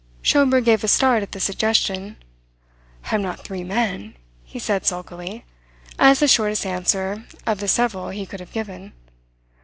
Schomberg gave a start at the suggestion. "I am not three men," he said sulkily, as the shortest answer of the several he could have given.